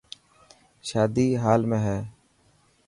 شادي هال ۾ هي.